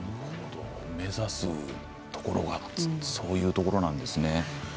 目指すところはそういうところなんですね。